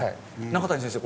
中谷先生